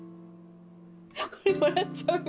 これ笑っちゃうよ。